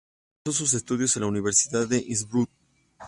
Realizó sus estudios en la Universidad de Innsbruck.